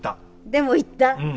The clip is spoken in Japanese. でも行った。